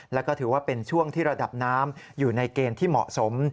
แล้วก็ถือว่าเป็นช่วงที่ระดับน้ำอยู่ในเกณฑ์ที่เหมาะสม